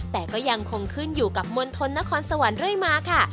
แต่ก็ยังคงขึ้นอยู่กับมณฑลนครสวรรค์เรื่อยมาค่ะ